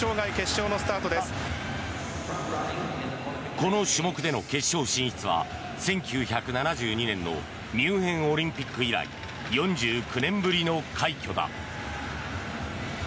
この種目での決勝進出は１９７２年のミュンヘンオリンピック以来４９年ぶりの快挙だ。